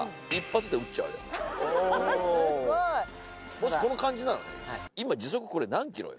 もしこの感じならね。